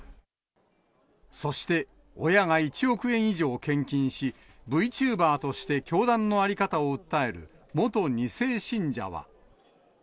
そして、親が１億円以上献金し、Ｖｔｕｂｅｒとして教団の在り方を訴える元２世信者は。